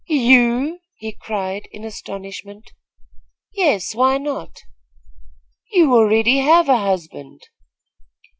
"You!" he cried, in astonishment. "Yes, why not?" "You already have a husband."